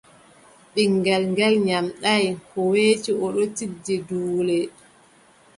Ɓiŋngel ngeel nyamɗaay, ko weeti o ɗon tijja duule.